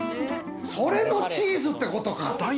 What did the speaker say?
それのチーズってことか。